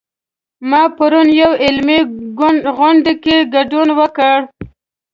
ما پرون یوه علمي غونډه کې ګډون وکړ